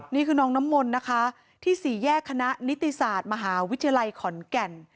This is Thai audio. นี่คือน้องน้ำมนต์นะคะที่สี่แยกคณะนิติศาสตร์มหาวิทยาลัยขอนแก่น